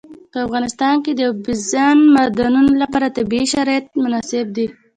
په افغانستان کې د اوبزین معدنونه لپاره طبیعي شرایط مناسب دي.